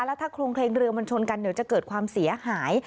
แล้วถ้าโครงเคลงเรือมันชนกันเดี๋ยวจะเกิดความเสียหาย